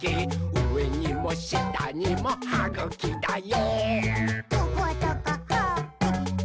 うえにもしたにもはぐきだよ！」